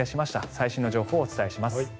最新の情報をお伝えします。